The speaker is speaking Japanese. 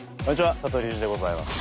佐藤流司でございます。